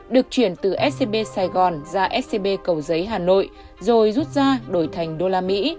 được chuyển từ scb sài gòn ra scb cầu giấy hà nội rồi rút ra đổi thành usd